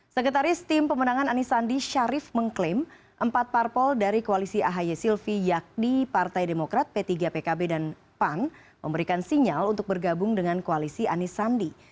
sekretaris tim pemenangan anies sandi syarif mengklaim empat parpol dari koalisi ahy silvi yakni partai demokrat p tiga pkb dan pan memberikan sinyal untuk bergabung dengan koalisi anies sandi